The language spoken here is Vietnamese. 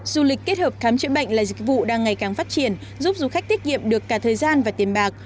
du lịch kết hợp khám chữa bệnh là dịch vụ đang ngày càng phát triển giúp du khách tiết kiệm được cả thời gian và tiền bạc